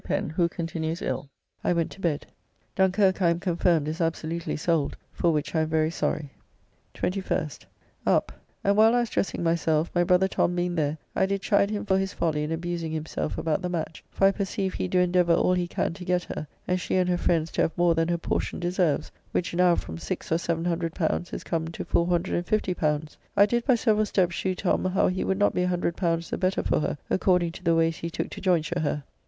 Pen, who continues ill, I went to bed. Dunkirk, I am confirmed, is absolutely sold; for which I am very sorry. 21st. Up, and while I was dressing myself, my brother Tom being there I did chide him for his folly in abusing himself about the match, for I perceive he do endeavour all he can to get her, and she and her friends to have more than her portion deserves, which now from 6 or L700 is come to L450. I did by several steps shew Tom how he would not be L100 the better for her according to the ways he took to joynture her.